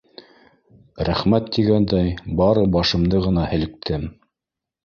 Рәхмәт тигәндәй бары башымды ғына һелктем.